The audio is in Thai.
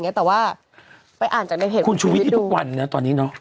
ไปอ่านจากในเพจของชีวิตดูคุณชีวิตที่ทุกวันเนี่ยตอนนี้เนอะ